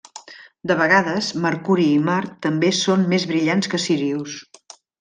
De vegades, Mercuri i Mart també són més brillants que Sírius.